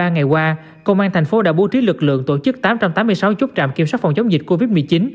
ba ngày qua công an thành phố đã bố trí lực lượng tổ chức tám trăm tám mươi sáu chốt trạm kiểm soát phòng chống dịch covid một mươi chín